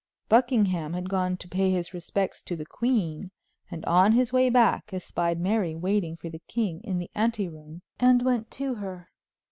Buckingham had gone to pay his respects to the queen, and on his way back espied Mary waiting for the king in the ante room, and went to her.